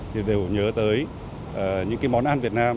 thì đều nhớ tới những món ăn việt nam